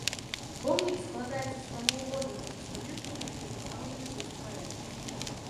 Помнік складаецца з прамавугольнага пастамента, на які пастаўлены бюст паэта.